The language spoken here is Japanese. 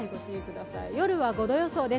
夜は５度予想です。